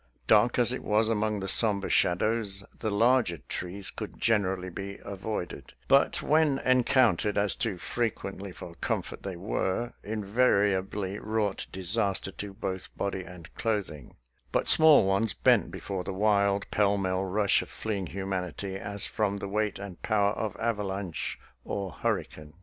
Dark as it was among the somber shadows, the larger trees could generally be avoided, but when encoun tered, as too frequently for comfort they were, invariably wrought disaster to both body and clothing; but small ones bent before the wild, pell mell rush of fleeing humanity as from the weight and power of avalanche or hurricane.